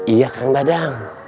iya kang dadang